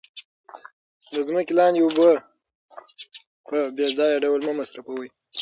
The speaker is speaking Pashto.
د ځمکې لاندې اوبه په بې ځایه ډول مه مصرفوئ.